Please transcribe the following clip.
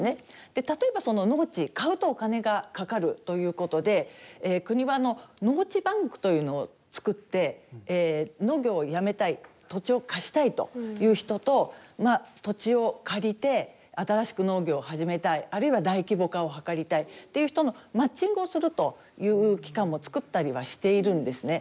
で例えばその農地買うとお金がかかるということで国は農地バンクというのを作って農業をやめたい土地を貸したいという人とまあ土地を借りて新しく農業を始めたいあるいは大規模化を図りたいっていう人のマッチングをするという機関も作ったりはしているんですね。